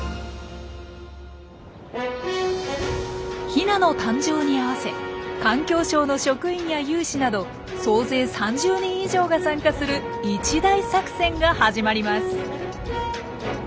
ヒナの誕生に合わせ環境省の職員や有志など総勢３０人以上が参加する一大作戦が始まります。